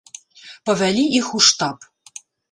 Павялі іх у штаб.